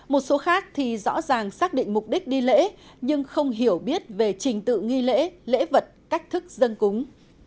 một số khác thì rõ ràng xác định mục đích đi lễ nhưng không hiểu biết về trình tự nghi lễ lễ vật cách thức dân cúng